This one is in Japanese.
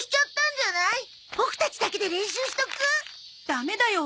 ダメだよ